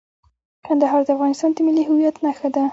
کندهار د افغانستان د ملي هویت نښه ده.